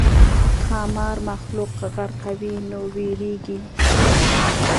ښامار مخلوق غرقوي نو وېرېږي.